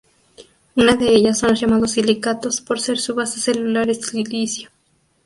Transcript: Una de ellas son los llamados Silicatos, por ser su base celular el silicio.